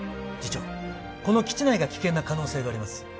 次長この基地内が危険な可能性があります